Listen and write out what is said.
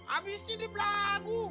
abis tidip lagu